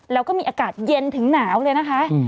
แล้วก็มีอากาศเย็นถึงหนาวเลยนะคะ